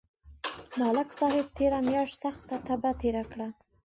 ملک صاحب تېره میاشت سخته تبه تېره کړه